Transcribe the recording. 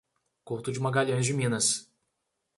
Couto de Magalhães de Minas